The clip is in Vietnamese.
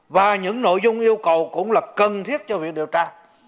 và những nội dung yêu cầu cũng là cần thiết cho việc điều tra